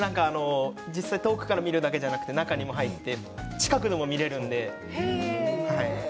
遠くから見るだけじゃなく中にも入って近くでも見られるので。